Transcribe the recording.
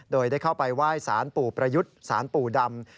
โดยได้เข้าไปไหว้สารปู่ประยุทธ์สารปู่ดำ